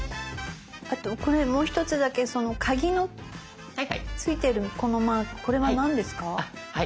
あとこれもう一つだけその鍵のついてるこのマークこれは何ですか？